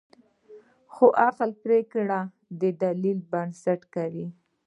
خو عقل پرېکړه د دلیل پر بنسټ کوي.